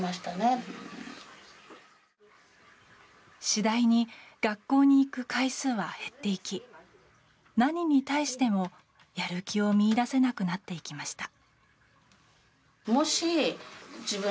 次第に学校に行く回数は減っていき何に対しても、やる気を見いだせなくなっていきました。